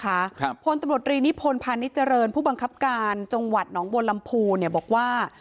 ครับพลตำรวจรีนิพนธพาณิชเจริญผู้บังคับการจังหวัดหนองบัวลำพูเนี่ยบอกว่า